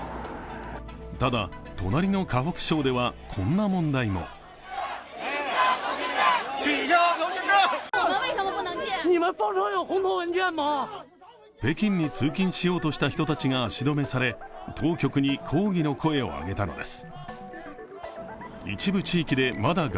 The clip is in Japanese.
ただ、隣の河北省ではこんな問題も北京に通勤しようとした人たちが足止めされ当局に抗議の声を上げたのです。